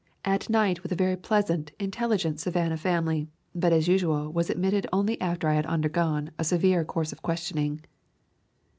At night with a very pleasant, in telligent Savannah family, but as usual was admitted only after I had undergone a severe course of questioning.